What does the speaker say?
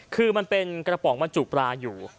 คือมันเป็นกระป๋องบรรจุปลาอยู่